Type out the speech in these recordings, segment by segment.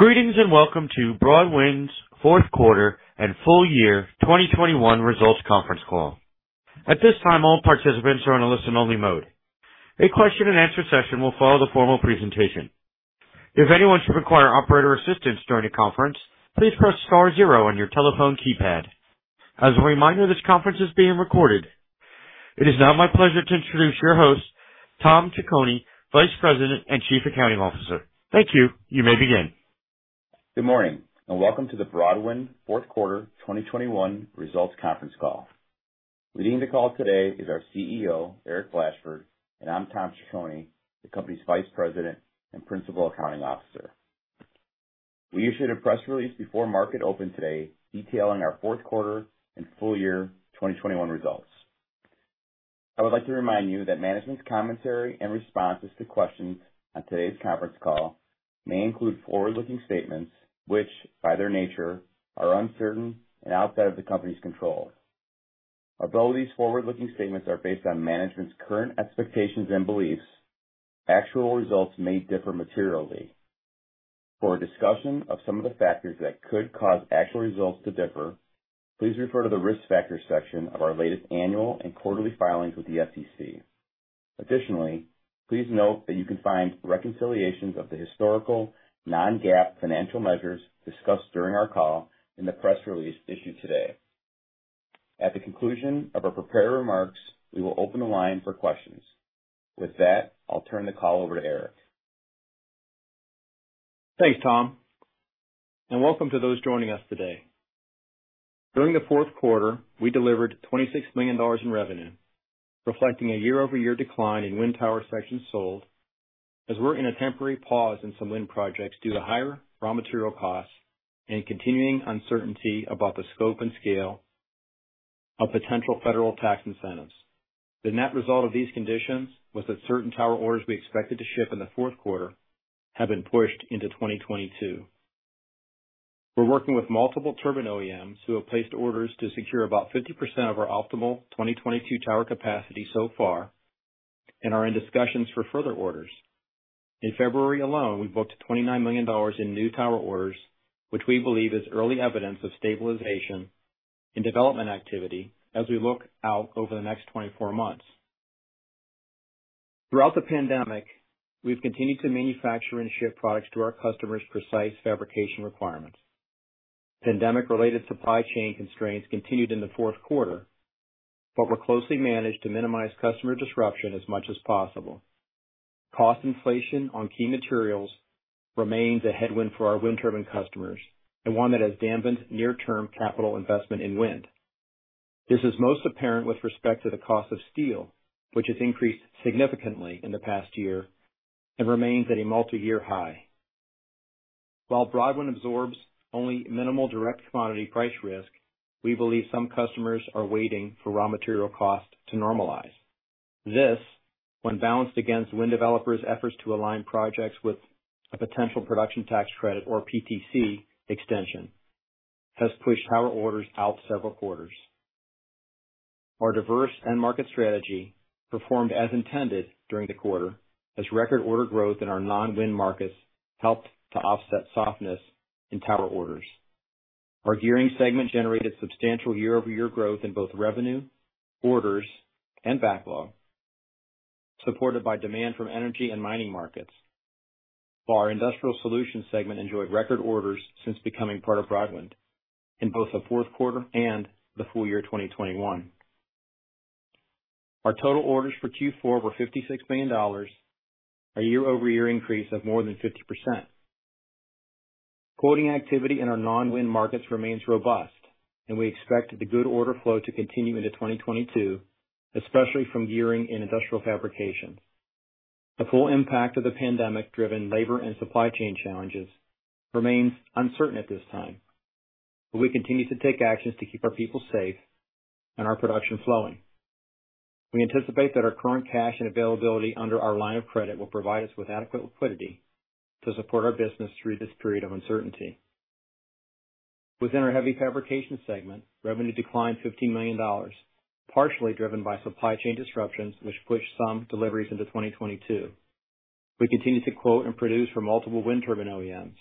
Greetings, and welcome to Broadwind's fourth quarter and full year 2021 results conference call. At this time, all participants are in a listen-only mode. A question and answer session will follow the formal presentation. If anyone should require operator assistance during the conference, please press star zero on your telephone keypad. As a reminder, this conference is being recorded. It is now my pleasure to introduce your host, Thomas Ciccone, Vice President and Chief Accounting Officer. Thank you. You may begin. Good morning, and welcome to the Broadwind fourth quarter 2021 results conference call. Leading the call today is our CEO, Eric Blashford, and I'm Thomas Ciccone, the company's Vice President and Chief Accounting Officer. We issued a press release before market open today detailing our fourth quarter and full year 2021 results. I would like to remind you that management's commentary and responses to questions on today's conference call may include forward-looking statements, which, by their nature, are uncertain and outside of the company's control. Although these forward-looking statements are based on management's current expectations and beliefs, actual results may differ materially. For a discussion of some of the factors that could cause actual results to differ, please refer to the Risk Factors section of our latest annual and quarterly filings with the SEC. Additionally, please note that you can find reconciliations of the historical non-GAAP financial measures discussed during our call in the press release issued today. At the conclusion of our prepared remarks, we will open the line for questions. With that, I'll turn the call over to Eric. Thanks, Tom, and welcome to those joining us today. During the fourth quarter, we delivered $26 million in revenue, reflecting a year-over-year decline in wind tower sections sold, as we're in a temporary pause in some wind projects due to higher raw material costs and continuing uncertainty about the scope and scale of potential federal tax incentives. The net result of these conditions was that certain tower orders we expected to ship in the fourth quarter have been pushed into 2022. We're working with multiple turbine OEMs who have placed orders to secure about 50% of our optimal 2022 tower capacity so far and are in discussions for further orders. In February alone, we booked $29 million in new tower orders, which we believe is early evidence of stabilization and development activity as we look out over the next 24 months. Throughout the pandemic, we've continued to manufacture and ship products to our customers' precise fabrication requirements. Pandemic-related supply chain constraints continued in the fourth quarter, but were closely managed to minimize customer disruption as much as possible. Cost inflation on key materials remains a headwind for our wind turbine customers and one that has dampened near-term capital investment in wind. This is most apparent with respect to the cost of steel, which has increased significantly in the past year and remains at a multiyear high. While Broadwind absorbs only minimal direct commodity price risk, we believe some customers are waiting for raw material costs to normalize. This, when balanced against wind developers' efforts to align projects with a potential production tax credit or PTC extension, has pushed tower orders out several quarters. Our diverse end market strategy performed as intended during the quarter, as record order growth in our non-wind markets helped to offset softness in tower orders. Our Gearing segment generated substantial year-over-year growth in both revenue, orders, and backlog, supported by demand from energy and mining markets, while our Industrial Solutions segment enjoyed record orders since becoming part of Broadwind in both the fourth quarter and the full year 2021. Our total orders for Q4 were $56 million, a year-over-year increase of more than 50%. Quoting activity in our non-wind markets remains robust, and we expect the good order flow to continue into 2022, especially from Gearing and Industrial Fabrication. The full impact of the pandemic-driven labor and supply chain challenges remains uncertain at this time, but we continue to take actions to keep our people safe and our production flowing. We anticipate that our current cash and availability under our line of credit will provide us with adequate liquidity to support our business through this period of uncertainty. Within our Heavy Fabrications segment, revenue declined $15 million, partially driven by supply chain disruptions, which pushed some deliveries into 2022. We continue to quote and produce for multiple wind turbine OEMs,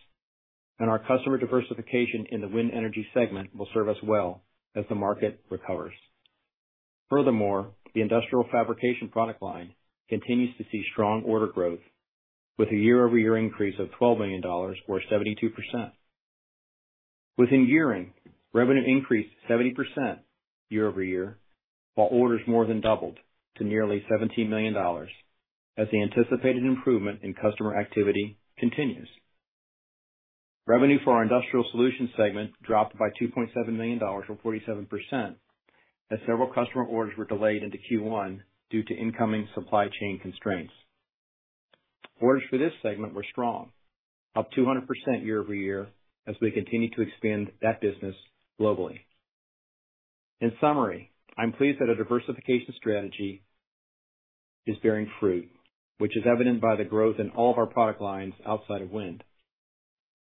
and our customer diversification in the wind energy segment will serve us well as the market recovers. Furthermore, the Industrial Fabrication product line continues to see strong order growth with a year-over-year increase of $12 million or 72%. Within Gearing, revenue increased 70% year-over-year, while orders more than doubled to nearly $17 million as the anticipated improvement in customer activity continues. Revenue for our Industrial Solutions segment dropped by $2.7 million or 47%, as several customer orders were delayed into Q1 due to incoming supply chain constraints. Orders for this segment were strong, up 200% year-over-year as we continue to expand that business globally. In summary, I'm pleased that our diversification strategy is bearing fruit, which is evident by the growth in all of our product lines outside of wind.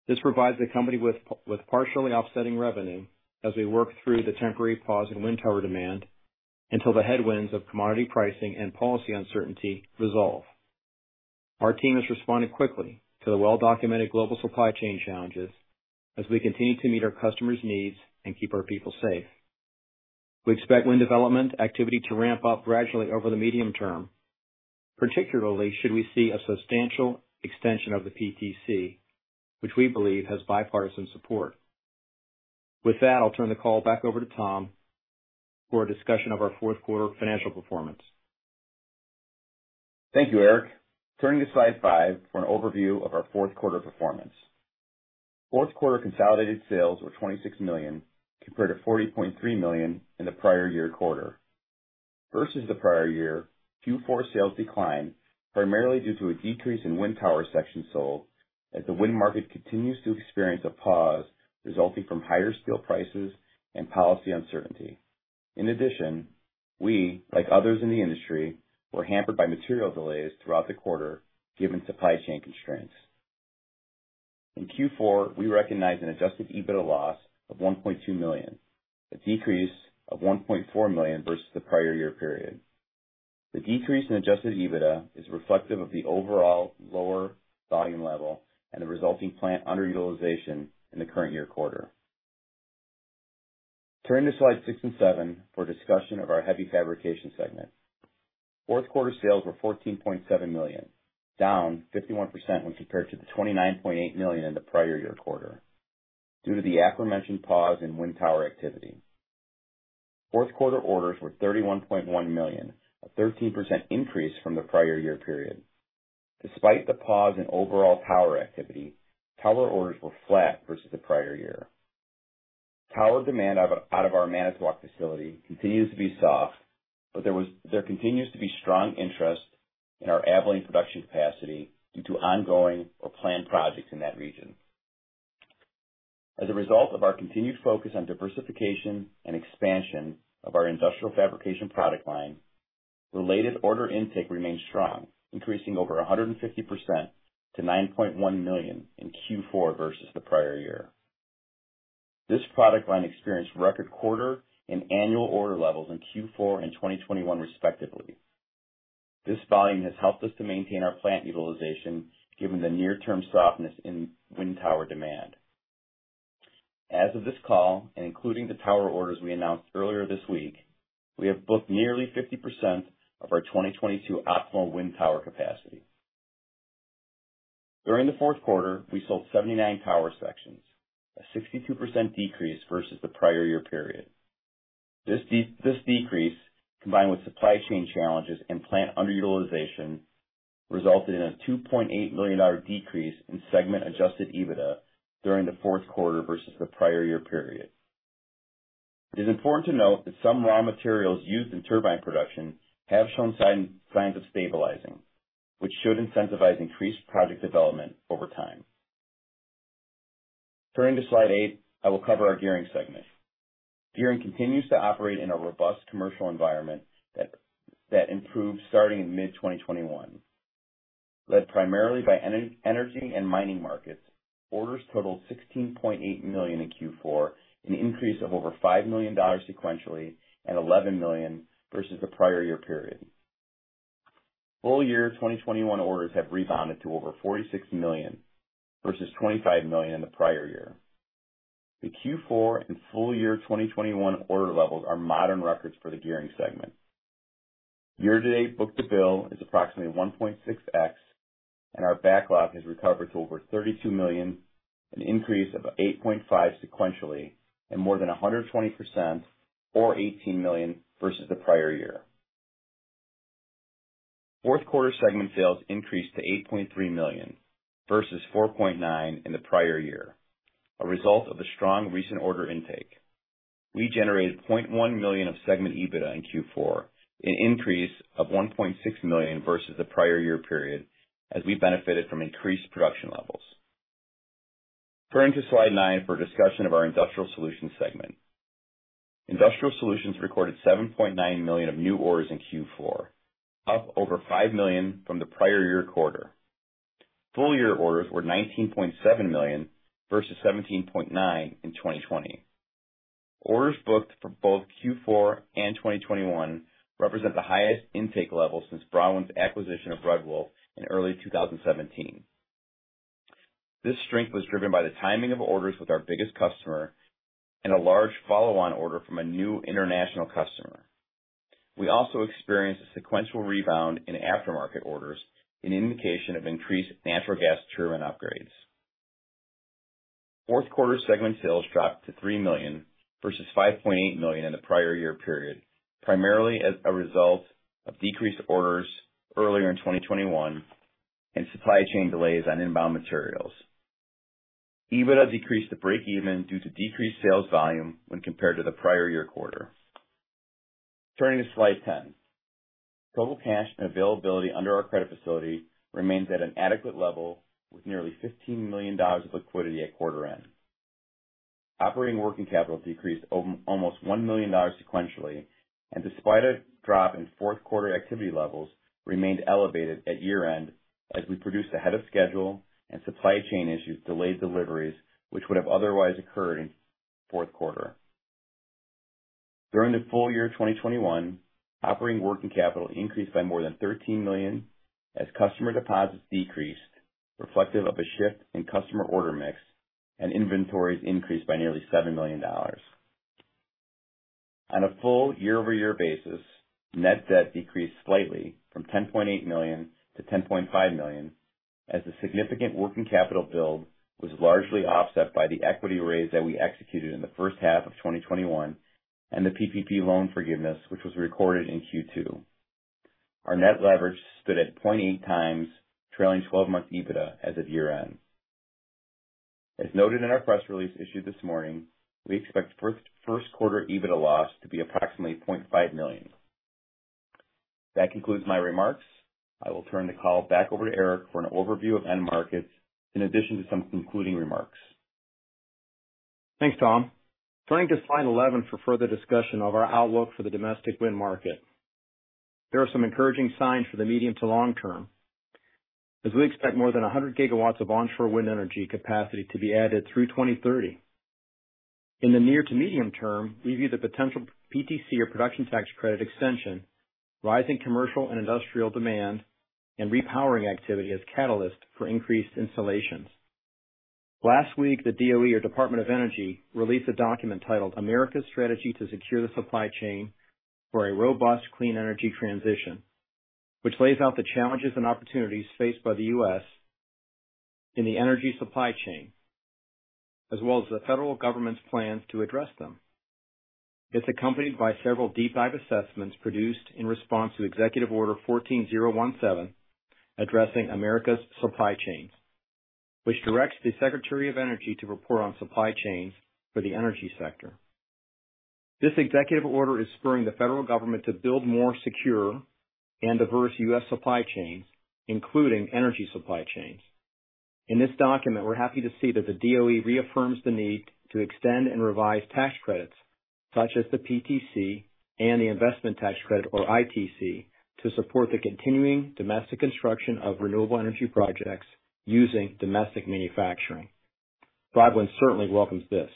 This provides the company with partially offsetting revenue as we work through the temporary pause in wind tower demand until the headwinds of commodity pricing and policy uncertainty resolve. Our team has responded quickly to the well-documented global supply chain challenges as we continue to meet our customers' needs and keep our people safe. We expect wind development activity to ramp up gradually over the medium term, particularly should we see a substantial extension of the PTC, which we believe has bipartisan support. With that, I'll turn the call back over to Tom for a discussion of our fourth quarter financial performance. Thank you, Eric. Turning to slide five for an overview of our fourth quarter performance. Fourth quarter consolidated sales were $26 million compared to $40.3 million in the prior year quarter. Versus the prior year, Q4 sales declined primarily due to a decrease in wind tower sections sold as the wind market continues to experience a pause resulting from higher steel prices and policy uncertainty. In addition, we, like others in the industry, were hampered by material delays throughout the quarter given supply chain constraints. In Q4, we recognized an adjusted EBITDA loss of $1.2 million, a decrease of $1.4 million versus the prior year period. The decrease in adjusted EBITDA is reflective of the overall lower volume level and the resulting plant underutilization in the current year quarter. Turning to slide six and seven for a discussion of our Heavy Fabrications segment. Fourth quarter sales were $14.7 million, down 51% when compared to the $29.8 million in the prior year quarter due to the aforementioned pause in wind tower activity. Fourth quarter orders were $31.1 million, a 13% increase from the prior year period. Despite the pause in overall tower activity, tower orders were flat versus the prior year. Tower demand out of our Manitowoc facility continues to be soft, but there continues to be strong interest in our Abilene production capacity due to ongoing or planned projects in that region. As a result of our continued focus on diversification and expansion of our Industrial Fabrication product line, related order intake remains strong, increasing over 150% to $9.1 million in Q4 versus the prior year. This product line experienced record quarter and annual order levels in Q4 and 2021 respectively. This volume has helped us to maintain our plant utilization given the near-term softness in wind tower demand. As of this call, including the tower orders we announced earlier this week, we have booked nearly 50% of our 2022 optimal wind tower capacity. During the fourth quarter, we sold 79 tower sections, a 62% decrease versus the prior year period. This decrease, combined with supply chain challenges and plant underutilization, resulted in a $2.8 million decrease in segment adjusted EBITDA during the fourth quarter versus the prior year period. It is important to note that some raw materials used in turbine production have shown signs of stabilizing, which should incentivize increased project development over time. Turning to slide eight, I will cover our Gearing segment. Gearing continues to operate in a robust commercial environment that improved starting in mid-2021. Led primarily by energy and mining markets, orders totaled $16.8 million in Q4, an increase of over $5 million sequentially and $11 million versus the prior year period. Full-year 2021 orders have rebounded to over $46 million versus $25 million in the prior year. The Q4 and full-year 2021 order levels are modern records for the Gearing segment. Year-to-date book-to-bill is approximately 1.6x, and our backlog has recovered to over $32 million, an increase of $8.5 million sequentially and more than 120% or $18 million versus the prior year. Fourth quarter segment sales increased to $8.3 million versus $4.9 million in the prior year, a result of the strong recent order intake. We generated $0.1 million of segment EBITDA in Q4, an increase of $1.6 million versus the prior year period as we benefited from increased production levels. Turning to slide nine for a discussion of our Industrial Solutions segment. Industrial Solutions recorded $7.9 million of new orders in Q4, up over $5 million from the prior year quarter. Full year orders were $19.7 million versus $17.9 million in 2020. Orders booked for both Q4 and 2021 represent the highest intake level since Broadwind's acquisition of Red Wolf in early 2017. This strength was driven by the timing of orders with our biggest customer and a large follow-on order from a new international customer. We also experienced a sequential rebound in aftermarket orders, an indication of increased natural gas turbine upgrades. Fourth quarter segment sales dropped to $3 million versus $5.8 million in the prior year period, primarily as a result of decreased orders earlier in 2021 and supply chain delays on inbound materials. EBITDA decreased to breakeven due to decreased sales volume when compared to the prior year quarter. Turning to slide 10. Total cash and availability under our credit facility remains at an adequate level with nearly $15 million of liquidity at quarter end. Operating working capital decreased almost $1 million sequentially, and despite a drop in fourth quarter activity levels, remained elevated at year-end as we produced ahead of schedule and supply chain issues delayed deliveries which would have otherwise occurred in fourth quarter. During the full year of 2021, operating working capital increased by more than $13 million as customer deposits decreased, reflective of a shift in customer order mix and inventories increased by nearly $7 million. On a full year-over-year basis, net debt decreased slightly from $10.8 million-$10.5 million as the significant working capital build was largely offset by the equity raise that we executed in the first half of 2021 and the PPP loan forgiveness, which was recorded in Q2. Our net leverage stood at 0.8 times trailing twelve-month EBITDA as of year-end. As noted in our press release issued this morning, we expect first quarter EBITDA loss to be approximately $0.5 million. That concludes my remarks. I will turn the call back over to Eric for an overview of end markets in addition to some concluding remarks. Thanks, Tom. Turning to slide 11 for further discussion of our outlook for the domestic wind market. There are some encouraging signs for the medium to long term, as we expect more than 100 gigawatts of onshore wind energy capacity to be added through 2030. In the near to medium term, we view the potential PTC or Production Tax Credit extension, rising commercial and industrial demand, and repowering activity as catalysts for increased installations. Last week, the DOE or Department of Energy released a document titled America's Strategy to Secure the Supply Chain for a Robust Clean Energy Transition, which lays out the challenges and opportunities faced by the U.S. in the energy supply chain, as well as the federal government's plans to address them. It's accompanied by several deep dive assessments produced in response to Executive Order 14017, addressing America's supply chains, which directs the Secretary of Energy to report on supply chains for the energy sector. This executive order is spurring the federal government to build more secure and diverse U.S. supply chains, including energy supply chains. In this document, we're happy to see that the DOE reaffirms the need to extend and revise tax credits such as the PTC and the investment tax credit, or ITC, to support the continuing domestic construction of renewable energy projects using domestic manufacturing. Broadwind certainly welcomes this.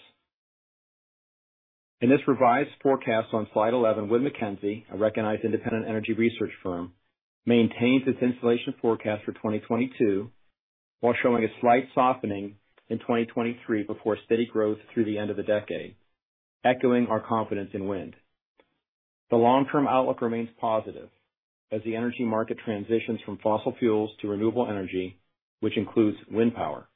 In this revised forecast on slide 11, Wood Mackenzie, a recognized independent energy research firm, maintains its installation forecast for 2022 while showing a slight softening in 2023 before steady growth through the end of the decade, echoing our confidence in wind. The long-term outlook remains positive as the energy market transitions from fossil fuels to renewable energy, which includes wind power.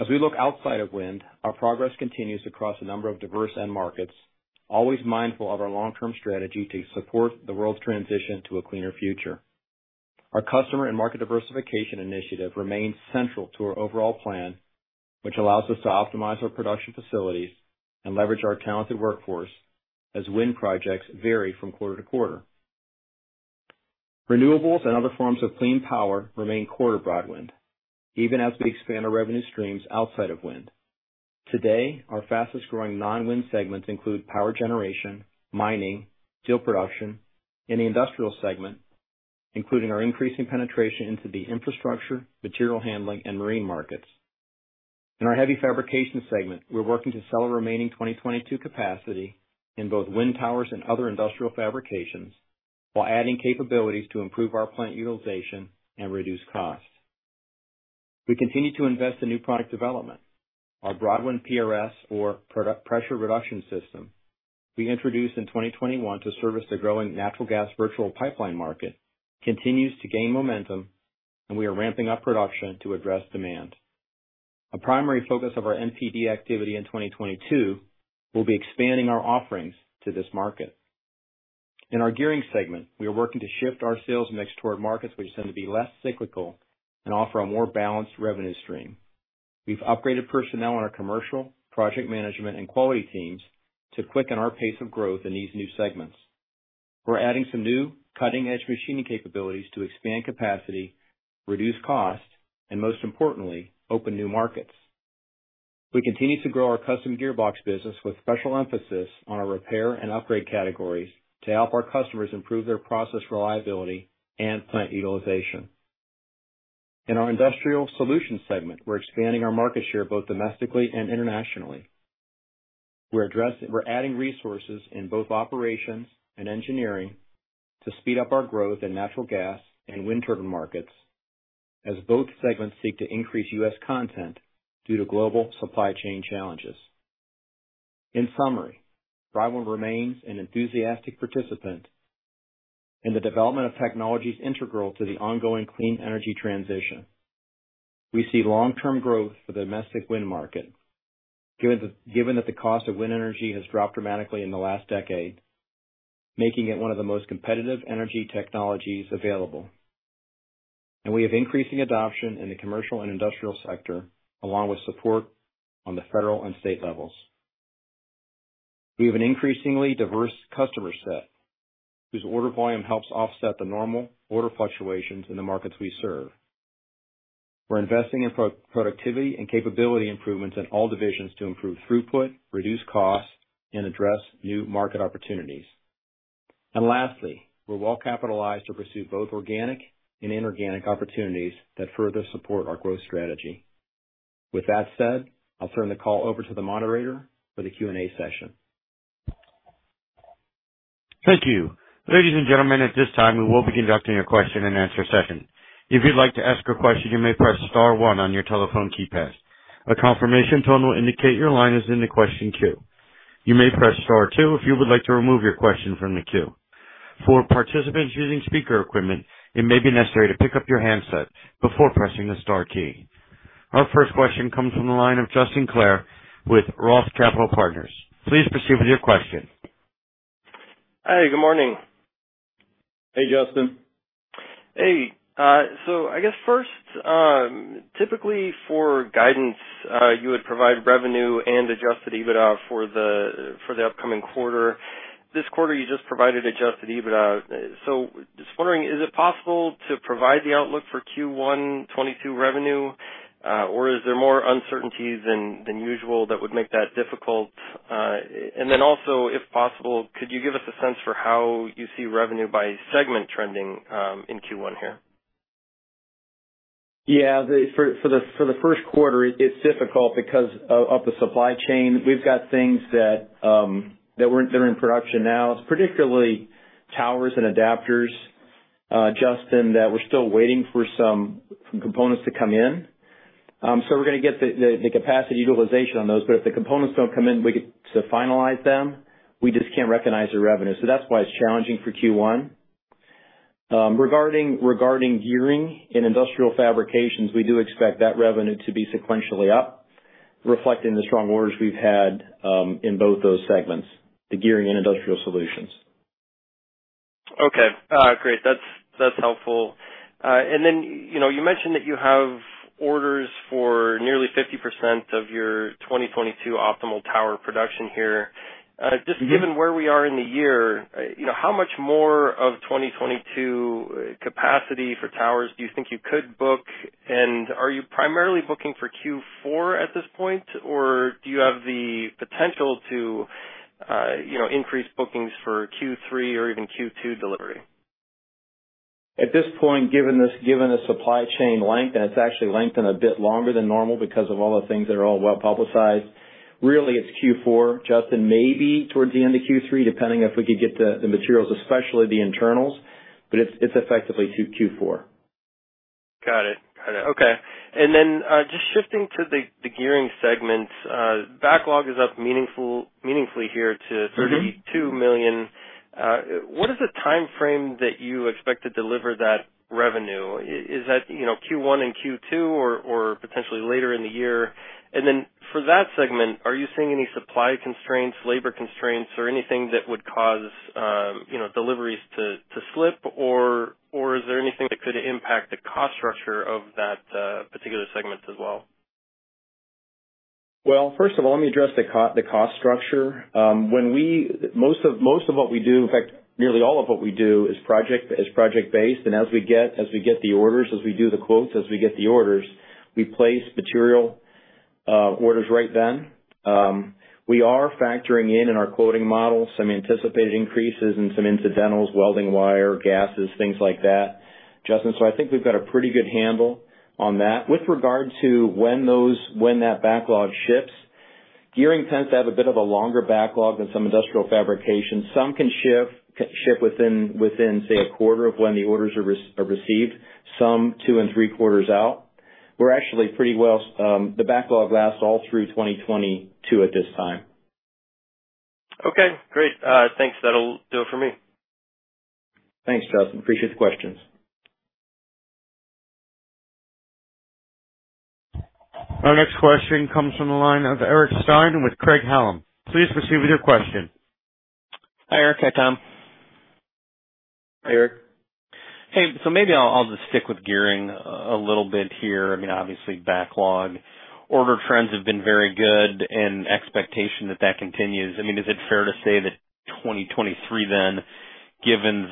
As we look outside of wind, our progress continues across a number of diverse end markets, always mindful of our long-term strategy to support the world's transition to a cleaner future. Our customer and market diversification initiative remains central to our overall plan, which allows us to optimize our production facilities and leverage our talented workforce as wind projects vary from quarter to quarter. Renewables and other forms of clean power remain core to Broadwind, even as we expand our revenue streams outside of wind. Today, our fastest-growing non-wind segments include power generation, mining, steel production in the industrial segment, including our increasing penetration into the infrastructure, material handling, and marine markets. In our Heavy Fabrications segment, we're working to sell our remaining 2022 capacity in both wind towers and other industrial fabrications while adding capabilities to improve our plant utilization and reduce costs. We continue to invest in new product development. Our Broadwind PRS, or Pressure Reduction System, we introduced in 2021 to service the growing natural gas virtual pipeline market, continues to gain momentum, and we are ramping up production to address demand. A primary focus of our NPD activity in 2022 will be expanding our offerings to this market. In our Gearing segment, we are working to shift our sales mix toward markets which tend to be less cyclical and offer a more balanced revenue stream. We've upgraded personnel in our commercial, project management, and quality teams to quicken our pace of growth in these new segments. We're adding some new cutting-edge machining capabilities to expand capacity, reduce cost, and most importantly, open new markets. We continue to grow our custom gearbox business with special emphasis on our repair and upgrade categories to help our customers improve their process reliability and plant utilization. In our industrial solutions segment, we're expanding our market share both domestically and internationally. We're adding resources in both operations and engineering to speed up our growth in natural gas and wind turbine markets as both segments seek to increase U.S. content due to global supply chain challenges. In summary, Broadwind remains an enthusiastic participant in the development of technologies integral to the ongoing clean energy transition. We see long-term growth for the domestic wind market, given that the cost of wind energy has dropped dramatically in the last decade, making it one of the most competitive energy technologies available. We have increasing adoption in the commercial and industrial sector, along with support on the federal and state levels. We have an increasingly diverse customer set, whose order volume helps offset the normal order fluctuations in the markets we serve. We're investing in pro-productivity and capability improvements in all divisions to improve throughput, reduce costs, and address new market opportunities. Lastly, we're well capitalized to pursue both organic and inorganic opportunities that further support our growth strategy. With that said, I'll turn the call over to the moderator for the Q&A session. Thank you. Ladies and gentlemen, at this time, we will be conducting a question-and-answer session. If you'd like to ask a question, you may press star one on your telephone keypad. A confirmation tone will indicate your line is in the question queue. You may press star two if you would like to remove your question from the queue. For participants using speaker equipment, it may be necessary to pick up your handset before pressing the star key. Our first question comes from the line of Justin Clare with ROTH Capital Partners. Please proceed with your question. Hi, good morning. Hey, Justin. Hey. I guess first, typically for guidance, you would provide revenue and adjusted EBITDA for the upcoming quarter. This quarter, you just provided adjusted EBITDA. Just wondering, is it possible to provide the outlook for Q1 2022 revenue, or is there more uncertainty than usual that would make that difficult? If possible, could you give us a sense for how you see revenue by segment trending in Q1 here? Yeah. For the first quarter it's difficult because of the supply chain. We've got things that are in production now. It's particularly towers and adapters, Justin, that we're still waiting for some components to come in. We're gonna get the capacity utilization on those, but if the components don't come in, we can't finalize them, we just can't recognize the revenue. That's why it's challenging for Q1. Regarding Gearing and Industrial Fabrication, we do expect that revenue to be sequentially up, reflecting the strong orders we've had in both those segments, the Gearing and Industrial Solutions. Okay. Great. That's helpful. You know, you mentioned that you have orders for nearly 50% of your 2022 optimal tower production here. Mm-hmm. Just given where we are in the year, you know, how much more of 2022 capacity for towers do you think you could book? Are you primarily booking for Q4 at this point, or do you have the potential to, you know, increase bookings for Q3 or even Q2 delivery? At this point, given the supply chain length, and it's actually lengthened a bit longer than normal because of all the things that are all well publicized, really it's Q4, Justin. Maybe towards the end of Q3, depending if we could get the materials, especially the internals, but it's effectively Q4. Got it. Okay. Just shifting to the Gearing segment. Backlog is up meaningfully here to. Mm-hmm. $32 million. What is the timeframe that you expect to deliver that revenue? Is that, you know, Q1 and Q2 or potentially later in the year? For that segment, are you seeing any supply constraints, labor constraints, or anything that would cause deliveries to slip or is there anything that could impact the cost structure of that particular segment as well? Well, first of all, let me address the cost structure. When we. Most of what we do, in fact, nearly all of what we do is project-based and as we get the orders, as we do the quotes, as we get the orders, we place material orders right then. We are factoring in our quoting model some anticipated increases in some incidentals, welding wire, gases, things like that, Justin. I think we've got a pretty good handle on that. With regard to when that backlog ships, Gearing tends to have a bit of a longer backlog than some Industrial Fabrication. Some can ship within, say, a quarter of when the orders are received, some two and three quarters out. We're actually pretty well, the backlog lasts all through 2022 at this time. Okay, great. Thanks. That'll do it for me. Thanks, Justin. I appreciate the questions. Our next question comes from the line of Eric Stine with Craig-Hallum. Please proceed with your question. Hi, Eric. Hi, Tom. Hi, Eric. Hey. Maybe I'll just stick with Gearing a little bit here. I mean, obviously backlog order trends have been very good and expectation that continues. I mean, is it fair to say that 2023 then, given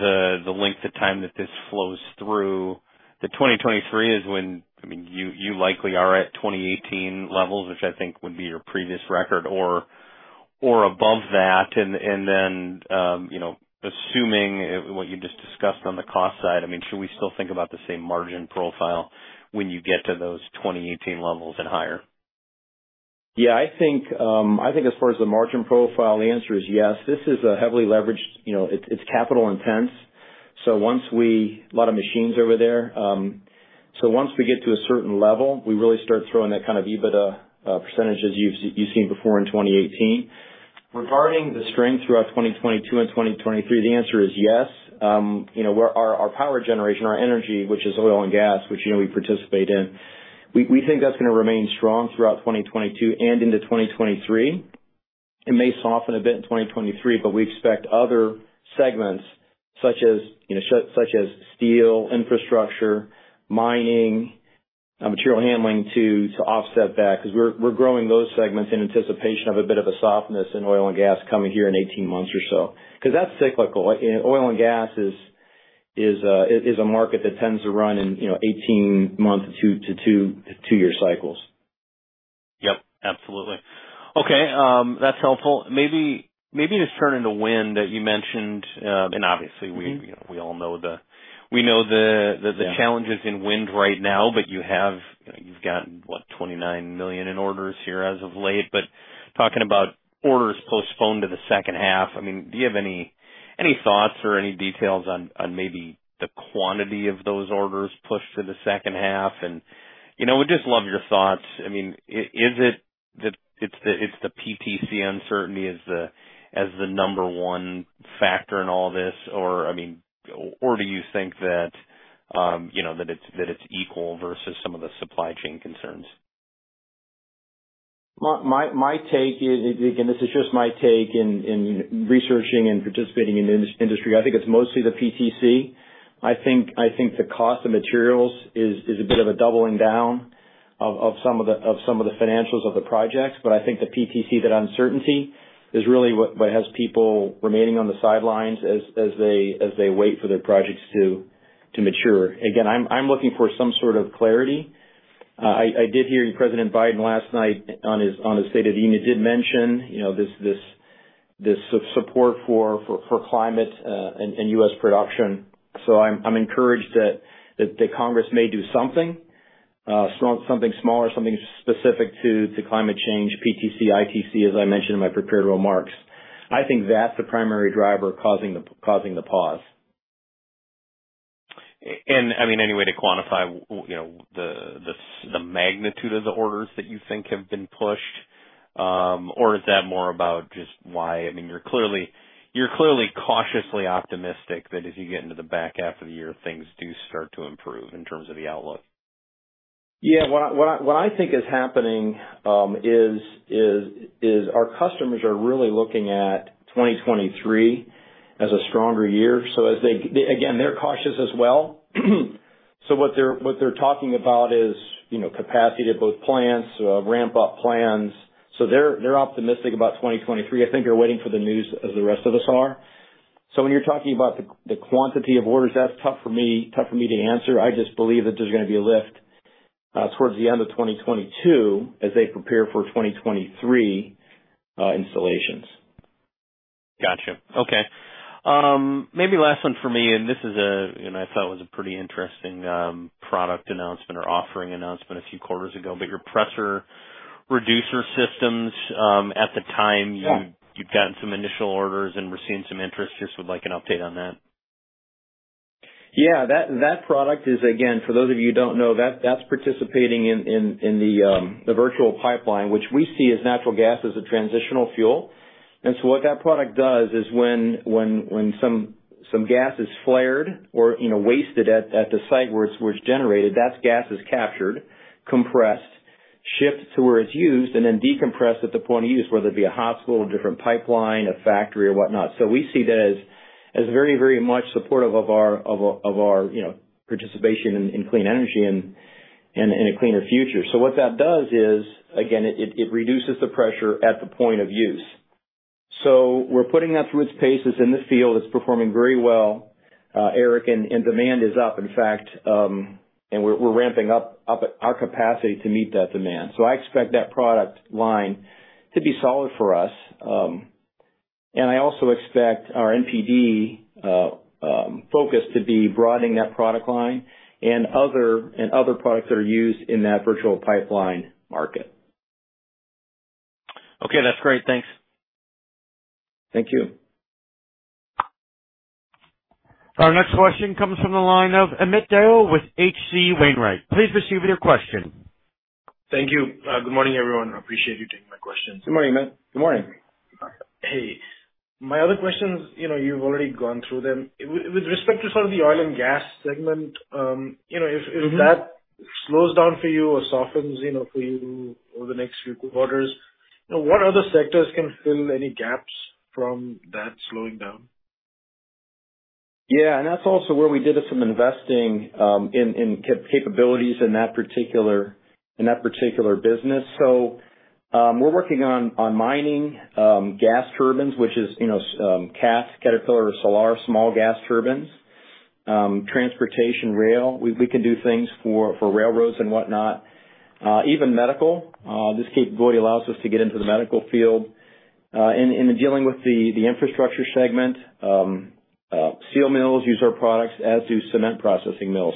the length of time that this flows through, that 2023 is when, I mean, you likely are at 2018 levels, which I think would be your previous record or above that. Then, you know, assuming what you just discussed on the cost side, I mean, should we still think about the same margin profile when you get to those 2018 levels and higher? Yeah, I think as far as the margin profile, the answer is yes. This is a heavily leveraged, it's capital-intensive. So once we get to a certain level, we really start throwing that kind of EBITDA percentage as you've seen before in 2018. Regarding the strength throughout 2022 and 2023, the answer is yes. Where our power generation, our energy, which is oil and gas, we participate in, we think that's gonna remain strong throughout 2022 and into 2023. It may soften a bit in 2023, but we expect other segments such as, you know, steel, infrastructure, mining, material handling to offset that because we're growing those segments in anticipation of a bit of a softness in oil and gas coming here in 18 months or so. Because that's cyclical. Oil and gas is a market that tends to run in, you know, 18 months to two-year cycles. Yep, absolutely. Okay, that's helpful. Maybe just turning to wind that you mentioned, and obviously we. Mm-hmm. You know, we all know. Yeah. the challenges in wind right now. You have. You've gotten, what, $29 million in orders here as of late. Talking about orders postponed to the second half, I mean, do you have any thoughts or any details on maybe the quantity of those orders pushed to the second half? You know, we'd just love your thoughts. I mean, is it the it's the PTC uncertainty as the number one factor in all this? I mean. Or do you think that, you know, that it's equal versus some of the supply chain concerns? My take is, again, this is just my take in researching and participating in industry, I think it's mostly the PTC. I think the cost of materials is a bit of a doubling down of some of the financials of the projects. I think the PTC, that uncertainty is really what has people remaining on the sidelines as they wait for their projects to mature. Again, I'm looking for some sort of clarity. I did hear President Biden last night on his State of the Union did mention, you know, this support for climate and U.S. production. I'm encouraged that Congress may do something. Something smaller, something specific to climate change, PTC, ITC, as I mentioned in my prepared remarks. I think that's the primary driver causing the pause. I mean, any way to quantify you know, the magnitude of the orders that you think have been pushed? Or is that more about just why I mean, you're clearly cautiously optimistic that as you get into the back half of the year, things do start to improve in terms of the outlook. Yeah. What I think is happening is our customers are really looking at 2023 as a stronger year. As they again, they're cautious as well. What they're talking about is, you know, capacity to both plants, ramp-up plans. They're optimistic about 2023. I think they're waiting for the news as the rest of us are. When you're talking about the quantity of orders, that's tough for me to answer. I just believe that there's gonna be a lift towards the end of 2022 as they prepare for 2023 installations. Gotcha. Okay. Maybe last one for me, and this is a, you know, I thought it was a pretty interesting, product announcement or offering announcement a few quarters ago, but your Pressure Reducing Systems, at the time. Yeah. You'd gotten some initial orders and were seeing some interest. I just would like an update on that. Yeah. That product is. Again, for those of you who don't know, that's participating in the virtual pipeline, which we see as natural gas as a transitional fuel. What that product does is when some gas is flared or you know wasted at the site where it's generated, that gas is captured, compressed, shipped to where it's used, and then decompressed at the point of use, whether it be a hospital, a different pipeline, a factory or whatnot. We see that as very much supportive of our you know participation in clean energy and in a cleaner future. What that does is again it reduces the pressure at the point of use. We're putting that through its paces in the field. It's performing very well, Eric, and demand is up, in fact, and we're ramping up our capacity to meet that demand. I expect that product line to be solid for us. I also expect our NPD focus to be broadening that product line and other products that are used in that virtual pipeline market. Okay. That's great. Thanks. Thank you. Our next question comes from the line of Amit Dayal with H.C. Wainwright. Please proceed with your question. Thank you. Good morning, everyone. I appreciate you taking my questions. Good morning, Amit. Good morning. Hey. My other questions, you know, you've already gone through them. With respect to some of the oil and gas segment, you know. Mm-hmm. If that slows down for you or softens, you know, for you over the next few quarters, you know, what other sectors can fill any gaps from that slowing down? Yeah, that's also where we did some investing in capabilities in that particular business. We're working on mining gas turbines, which is, you know, Caterpillar or Solar Turbines small gas turbines. Transportation rail. We can do things for railroads and whatnot. Even medical. This capability allows us to get into the medical field. In dealing with the infrastructure segment, steel mills use our products as do cement processing mills.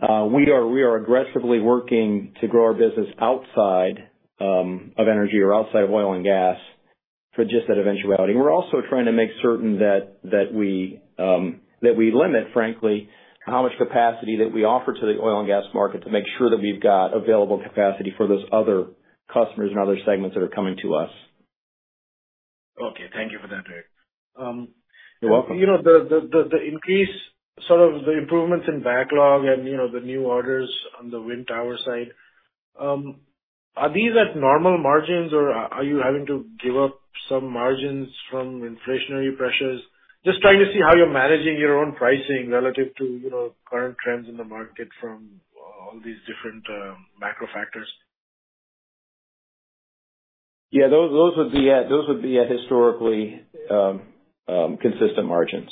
We are aggressively working to grow our business outside of energy or outside of oil and gas for just that eventuality. We're also trying to make certain that we limit, frankly, how much capacity that we offer to the oil and gas market to make sure that we've got available capacity for those other customers and other segments that are coming to us. Okay. Thank you for that, Eric. You're welcome. You know, the increase, sort of the improvements in backlog and, you know, the new orders on the wind tower side, are these at normal margins or are you having to give up some margins from inflationary pressures? Just trying to see how you're managing your own pricing relative to, you know, current trends in the market from all these different macro factors. Yeah, those would be, yeah, historically consistent margins.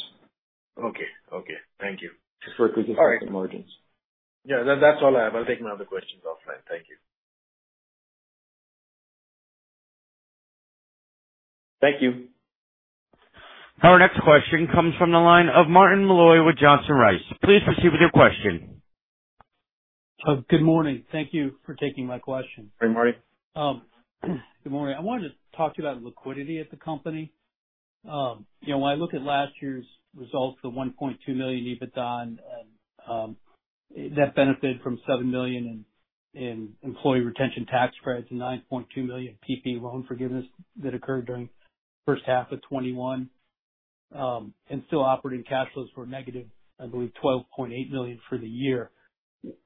Okay. Okay. Thank you. Historically consistent margins. Yeah. That's all I have. I'll take my other questions offline. Thank you. Thank you. Our next question comes from the line of Martin Malloy with Johnson Rice. Please proceed with your question. Good morning. Thank you for taking my question. Good morning. Good morning. I wanted to talk to you about liquidity at the company. You know, when I look at last year's results, the $1.2 million EBITDA and that benefited from $7 million in employee retention tax credits and $9.2 million PPP loan forgiveness that occurred during first half of 2021, and still operating cash flows were negative, I believe $12.8 million for the year.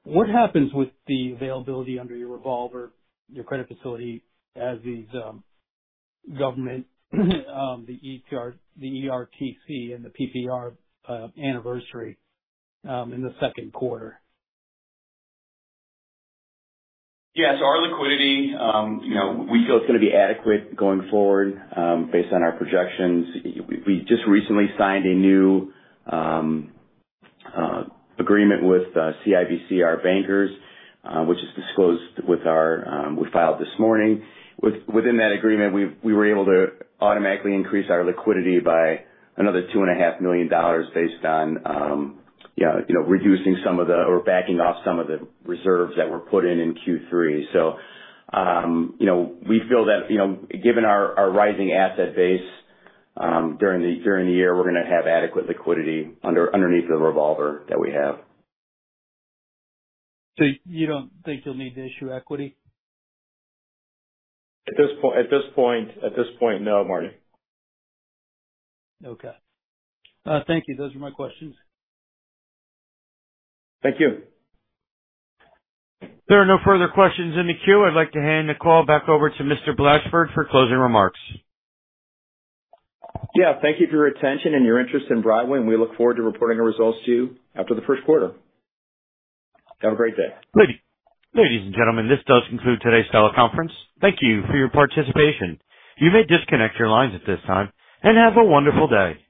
What happens with the availability under your revolver, your credit facility as these government the ERTC and the PPP anniversary in the second quarter? Yeah. Our liquidity, you know, we feel it's gonna be adequate going forward, based on our projections. We just recently signed a new agreement with CIBC, our bankers, which is disclosed with our, we filed this morning. Within that agreement, we were able to automatically increase our liquidity by another $2.5 million based on, you know, reducing some of the or backing off some of the reserves that were put in in Q3. You know, we feel that, you know, given our rising asset base, during the year, we're gonna have adequate liquidity underneath the revolver that we have. You don't think you'll need to issue equity? At this point, no, Martin. Okay. Thank you. Those are my questions. Thank you. There are no further questions in the queue. I'd like to hand the call back over to Mr. Blashford for closing remarks. Yeah. Thank you for your attention and your interest in Broadwind, and we look forward to reporting our results to you after the first quarter. Have a great day. Ladies and gentlemen, this does conclude today's teleconference. Thank you for your participation. You may disconnect your lines at this time and have a wonderful day.